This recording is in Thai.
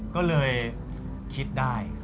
ก็เลยคิดได้